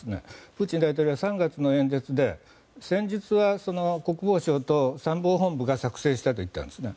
プーチン大統領は３月の演説で戦術は国防相と参謀本部が作戦したといったんですね。